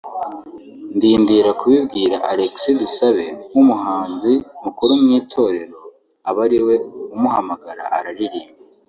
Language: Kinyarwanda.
ndindira kubibwira Alexis Dusabe nk’umuhanzi mukuru mu itorero aba ariwe umuhamagara araririmba”